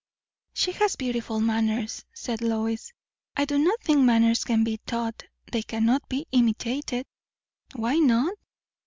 "She has beautiful manners," said Lois. "I do not think manners can be taught. They cannot be imitated." "Why not?"